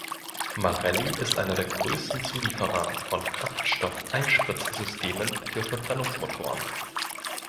Marelli ist einer der größten Zulieferer von Kraftstoff-Einspritzsystemen für Verbrennungsmotoren.